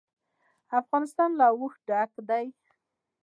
افغانستان له اوښ ډک دی.